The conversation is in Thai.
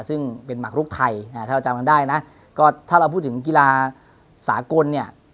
ซึ่งเป็นหมักลุกไทยถ้าเราจำกันได้นะก็ถ้าเราพูดถึงกีฬาสากลเนี่ย